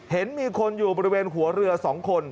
เห็นมีคนอยู่บริเวณหัวเรือ๒คน